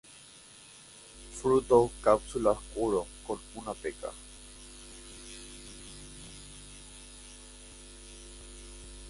Fruto cápsula oscuro con una peca.